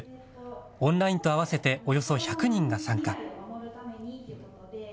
オンラインと合わせておよそ１００人が参加。